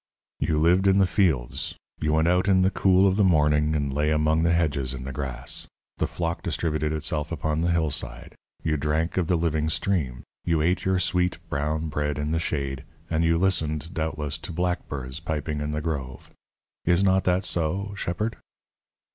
"You lived in the fields; you went out in the cool of the morning and lay among the hedges in the grass. The flock distributed itself upon the hillside; you drank of the living stream; you ate your sweet, brown bread in the shade, and you listened, doubtless, to blackbirds piping in the grove. Is not that so, shepherd?"